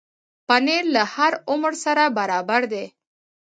پنېر له هر عمر سره برابر دی.